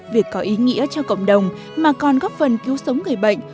việc có ý nghĩa cho cộng đồng mà còn góp phần cứu sống người bệnh